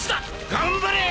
頑張れ！